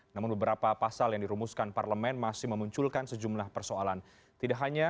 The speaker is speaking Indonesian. namun beberapa pasal yang dirumuskan parlemen masih memunculkan sejumlah persoalan tidak hanya